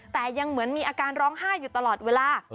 แต่ยังเหมือนมีอาการร้องไห้อยู่ตลอดเวลา